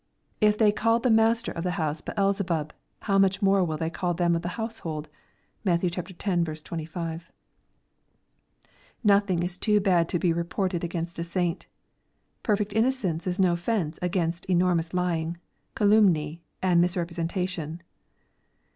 " If they called the master of the house Beelzebub, how much more will they call them of his household ?" (Matt. x. 25.) Nothing is too bad to be reported against a saint. Perfect innocence is njD fence against enormous lying, calumny, and mis representation.